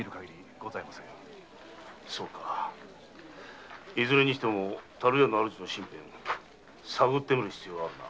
そうかいずれにしろ樽屋の主の身辺探ってみる必要はあるな。